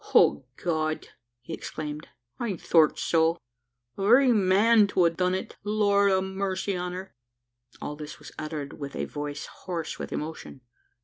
"O God!" he exclaimed, "I thort so the very man to a' done it. Lord ha' mercy on her!" All this was uttered with a voice hoarse with emotion.